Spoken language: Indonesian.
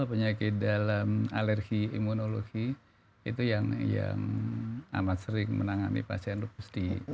penyakit dalam alergi imunologi itu yang amat sering menangani pasien lupusdi